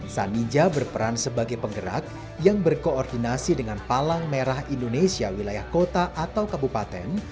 saninja berperan sebagai penggerak yang berkoordinasi dengan palang merah indonesia wilayah kota atau kabupaten